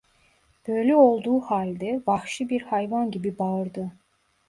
Böyle olduğu halde, vahşi bir hayvan gibi bağırdı.